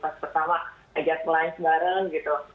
pas pertama ajak line bareng gitu